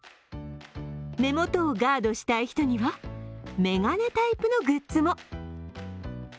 目元をガードしたい人には眼鏡タイプのグッズも。